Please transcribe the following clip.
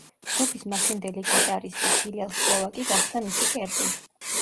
ჯგუფის მაშინდელი გიტარისტი, ჰილელ სლოვაკი გახდა მისი კერპი.